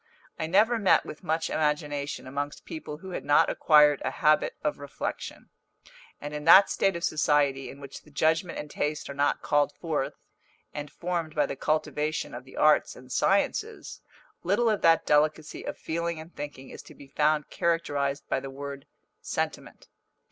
I never met with much imagination amongst people who had not acquired a habit of reflection; and in that state of society in which the judgment and taste are not called forth, and formed by the cultivation of the arts and sciences, little of that delicacy of feeling and thinking is to be found characterised by the word sentiment.